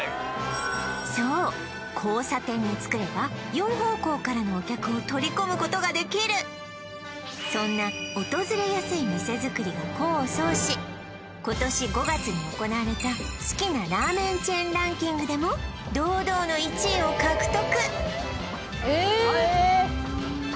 そう交差点につくれば４方向からのお客を取り込むことができるそんな訪れやすい店づくりが功を奏し今年５月に行われた好きなラーメンチェーンランキングでも堂々の１位を獲得